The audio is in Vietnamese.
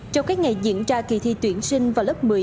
trong các ngày diễn ra kỳ thi tuyển sinh vào lớp một mươi